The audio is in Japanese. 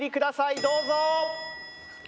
どうぞ！